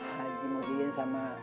pak aji mau diin sama